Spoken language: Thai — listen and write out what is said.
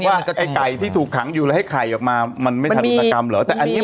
ว่าไอ้ไก่ที่ถูกขังอยู่แล้วให้ไข่ออกมามันไม่ทำอุตกรรมเหรอ